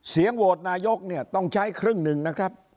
โหวตนายกเนี่ยต้องใช้ครึ่งหนึ่งนะครับ